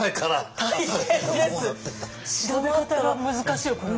調べ方が難しいよこれは。